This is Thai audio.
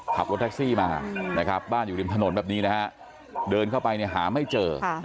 ขับรถแท็กซี่มานะครับบ้านอยู่ริมถนนแบบนี้นะฮะเดินเข้าไปเนี่ยหาไม่เจอ